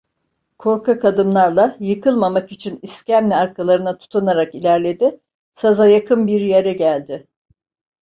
Korkak adımlarla, yıkılmamak için iskemle arkalarına tutunarak ilerledi, saza yakın bir yere geldi.